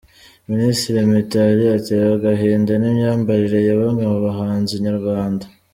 Minisitiri Mitali atewe agahinda n’imyambarire ya bamwe mu bahanzi nyarwanda